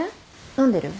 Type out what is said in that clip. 飲んでる？